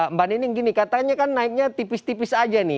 mbak nining gini katanya kan naiknya tipis tipis aja nih